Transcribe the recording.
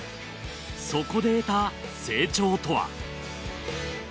そこで得た成長とは？